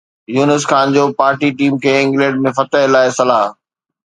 يونس خان جو ڀارتي ٽيم کي انگلينڊ ۾ فتح لاءِ صلاح